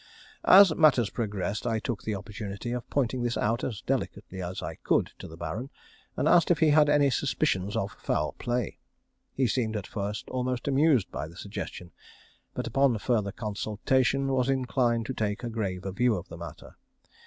As matters progressed, I took the opportunity of pointing this out as delicately as I could to the Baron, and asked if he had any suspicions of foul play. He seemed at first almost amused by the suggestion; but upon further consultation was inclined to take a graver view of the matter.